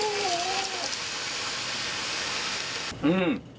うん。